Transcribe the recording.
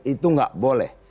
itu tidak boleh